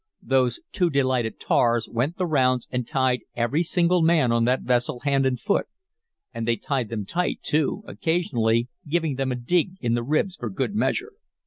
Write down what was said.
Those two delighted tars went the rounds and tied every single man on that vessel hand and foot. And they tied them tight, too, occasionally giving them a dig in the ribs for good measure.